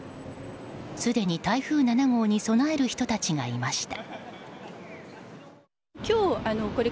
すでに台風７号に備える人たちがいました。